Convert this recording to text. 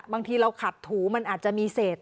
บางทีเราขัดถูมันอาจจะมีเศษ